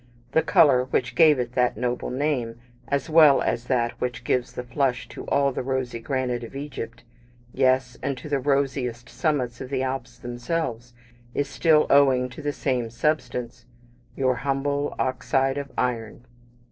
The colour which gave it that noble name, as well as that which gives the flush to all the rosy granite of Egypt yes, and to the rosiest summits of the Alps themselves is still owing to the same substance your humble oxide of iron.